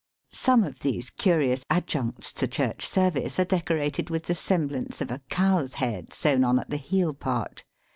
Some of these curious adjuncts to Church service are decorated with the semblance of a cow's head sewn on at the heel part.